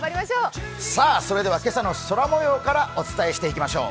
今朝の空模様からお伝えしてまいりましょう。